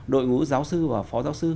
đội ngũ giáo sư và phó giáo sư